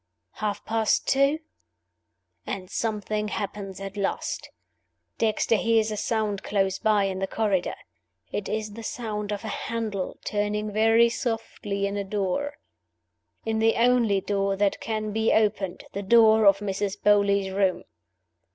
Half past two and something happens at last. Dexter hears a sound close by, in the corridor. It is the sound of a handle turning very softly in a door in the only door that can be opened, the door of Mrs. Beauly's room.